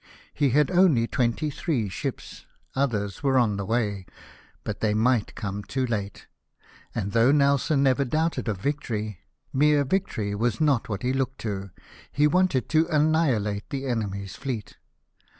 He had only twenty three ships — others were on the way, but they might come too late ; and though Nelson never doubted of victory, mere victory was not what he looked to, he wanted to annihilate the enemy's fleet.